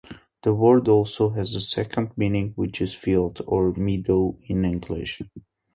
The word also has a second meaning, which is "field" or "meadow" in English.